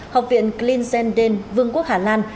học viện klinsen den vương quốc hà lan